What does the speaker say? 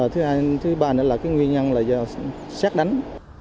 thứ ba nữa là cái nguyên nhân là do xét đánh